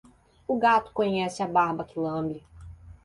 O gato conhece a barba que lambe.